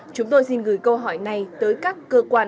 chúng tôi xin gửi câu hỏi này tới các cơ quan quản lý